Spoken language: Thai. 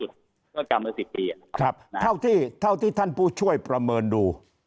ถ้าทำกรรมในสิบปีครับเท่าที่เท่าที่ท่านผู้ช่วยประเมินดู